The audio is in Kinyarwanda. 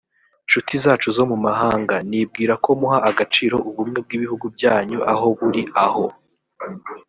nshuti zacu zo mu mahanga nibwira ko muha agaciro ubumwe bw ibihugu byanyu aho buri aho